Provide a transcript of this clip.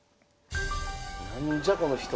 何じゃこの人。